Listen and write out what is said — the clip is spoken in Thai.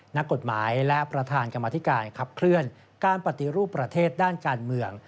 นักกฎหมายและประธานกรรมธิการขับเคลื่อนการปฏิรูปประเทศด้านการเมือง